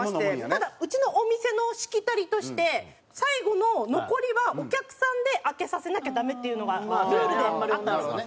ただうちのお店のしきたりとして最後の残りはお客さんで空けさせなきゃダメっていうのがルールであったんですよね。